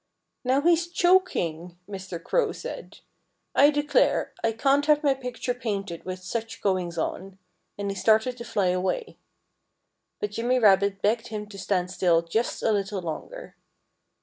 "Now he's choking!" Mr. Crow said. "I declare, I can't have my picture painted with such goings on." And he started to fly away. But Jimmy Rabbit begged him to stand still just a little longer.